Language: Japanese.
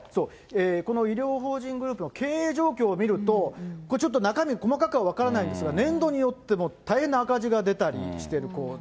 この医療法人グループの経営状況を見ると、これ、ちょっと中身細かくは分からないんですが、年度によっても大変な赤字が出たりしてる。